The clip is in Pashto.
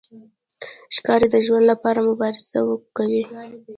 ښکاري د ژوند لپاره مبارزه کوي.